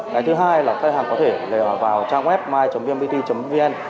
cái thứ hai là khách hàng có thể vào trang web my vnpt vn